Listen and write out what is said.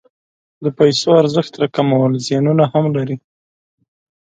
د پیسو ارزښت راکمول زیانونه هم لري.